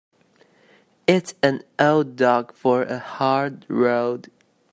It's an old dog for a hard road.